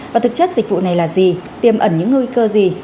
và thực chất dịch vụ này là gì tiêm ẩn những nguy cơ gì